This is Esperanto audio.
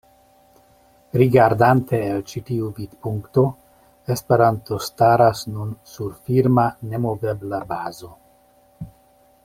Rigardate el ĉi tiu vidpunkto, Esperanto staras nun sur firma, nemovebla bazo.